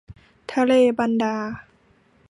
ทะเลบันดา